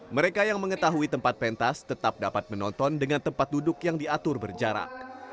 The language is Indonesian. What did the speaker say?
mereka yang mengetahui tempat pentas tetap dapat menonton dengan tempat duduk yang diatur berjarak